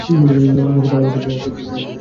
নক্ষত্র অপরাধীর ন্যায় দাঁড়াইয়া রহিলেন।